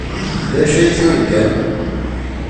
D acu i turgam?